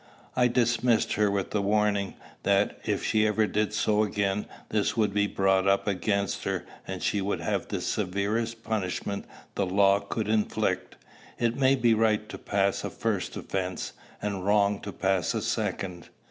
"I dismissed her with the warning, that, if ever she did so again, this would be brought up against her, and she would have the severest punishment the law could inflict. It may be right to pass a first offence, and wrong to pass a second.